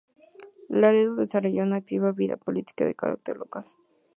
Laredo desarrolló una activa vida política de carácter local.